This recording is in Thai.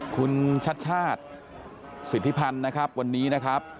คุณชัดชาติสิทธิพันธ์นะครับวันนี้นะครับ